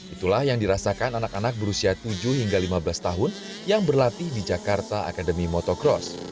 itulah yang dirasakan anak anak berusia tujuh hingga lima belas tahun yang berlatih di jakarta academy motocross